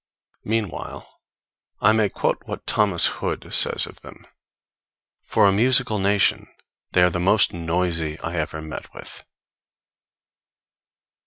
Meanwhile, I may quote what Thomas Hood says of them: For a musical nation, they are the most noisy I ever met with.